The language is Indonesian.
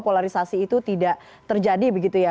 polarisasi itu tidak terjadi begitu ya